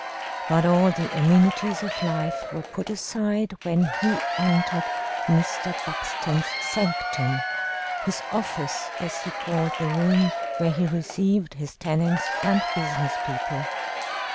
But all the amenities of life were put aside when he entered Mr. Buxton's sanctum his "office," as he called the room where he received his tenants and business people.